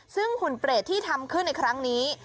ซึ่งหุ่นเปรตที่ทำขึ้นในครั้งนี้